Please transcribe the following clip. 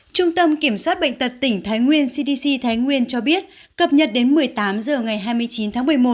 trung tâm kiểm soát bệnh tật tỉnh thái nguyên cho biết cập nhật đến một mươi tám h ngày hai mươi chín tháng một mươi một